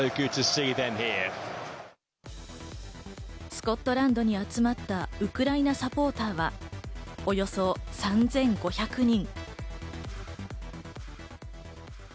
スコットランドに集まったウクライナサポーターは、およそ３５００人。